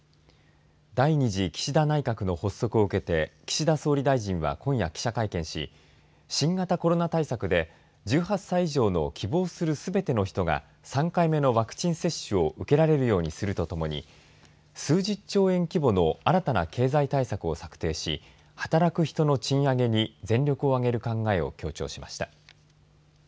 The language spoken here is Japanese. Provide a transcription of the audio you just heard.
第２次岸田内閣の発足を受けて岸田総理大臣は今夜、記者会見し新型コロナ対策で１８歳以上の希望するすべての人が３回目のワクチン接種を受けられるようにするとともに数十兆円規模の新たな経済対策を策定し働く人の賃上げに全力を挙げる考えを強調しました。